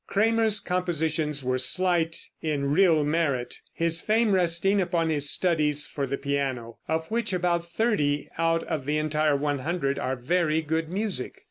Cramer's compositions were slight in real merit, his fame resting upon his studies for the piano, of which about thirty out of the entire 100 are very good music.